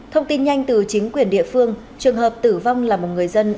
thông tin nhanh từ chính quyền địa phương trường hợp tử vong là một người dân